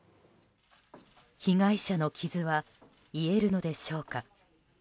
被害者の傷は癒えるのでしょうか。